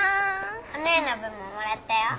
おねえの分ももらったよ。